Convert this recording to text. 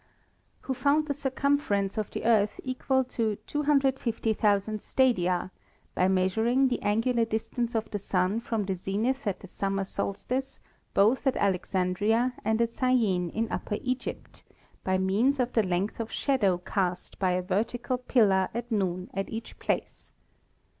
C.), who found the circumference of the Earth equal to 250,000 stadia by measuring the an gular distance of the Sun from the zenith at the summer solstice both at Alexandria and at Syene in Upper Egypt METHODS OF OBSERVATION 13 by means of the length of shadow cast by a vertical pillar at noon at each place.